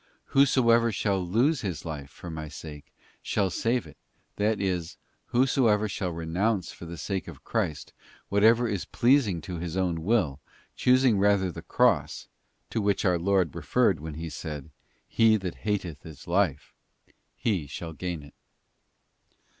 ' Whosoever shall lose his life for My sake, shall save it;' that is, whosoever shall renounce for the sake of Christ whatever is pleasing to his own will, choosing rather the cross—to which our Lord referred when He said, 'He that hateth his life' — he shall gain it.